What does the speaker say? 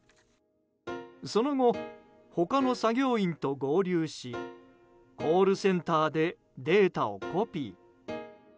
その後、他の作業員と合流しコールセンターでデータをコピー。